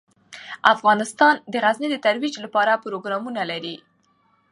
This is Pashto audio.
افغانستان د غزني د ترویج لپاره پروګرامونه لري.